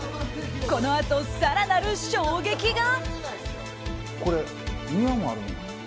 このあと、更なる衝撃が。